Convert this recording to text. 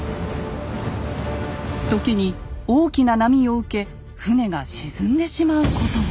時に大きな波を受け船が沈んでしまうことも。